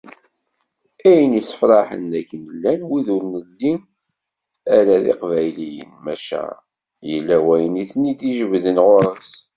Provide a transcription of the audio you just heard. Ayen i yessefraḥen dakken llan wid ur nelli ara d Iqbayliyen, maca yella wayen i ten-id-ijebbden ɣur-s.